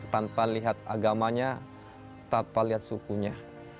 tanpa lihat agamanya tanpa lihat sukunya